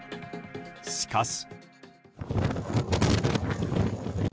しかし。